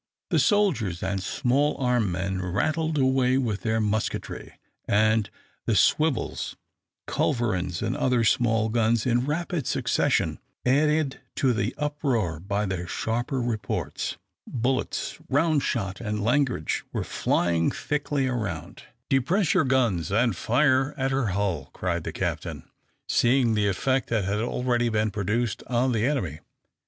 The soldiers and small arm men rattled away with their musketry, and the swivels, culverins, and other small guns, in rapid succession added to the uproar by their sharper reports. Bullets, round shot, and langrage were flying thickly around. "Depress your guns and fire at her hull!" cried the captain, seeing the effect that had already been produced on the enemy.